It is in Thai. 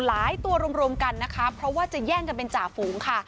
ตัวรวมกันนะคะเพราะว่าจะแย่งกันเป็นจ่าฝูงค่ะ